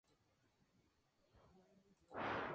Vive en las cuevas de las zonas kársticas.